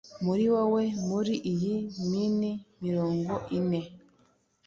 Muri wowe muri iyi mini mirongo ine